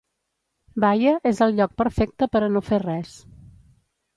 Baia és el lloc perfecte per a no fer res...